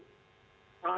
dan kementerian pu